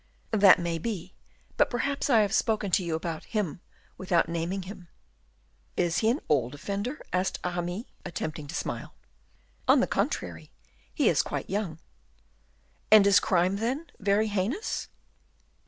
"That may be, but perhaps I have spoken to you about him without naming him." "Is he an old offender?" asked Aramis, attempting to smile. "On the contrary, he is quite young." "Is his crime, then, very heinous?"